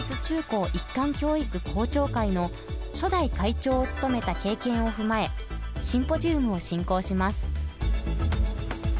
高一貫教育校長会の初代会長を務めた経験を踏まえシンポジウムを進行します。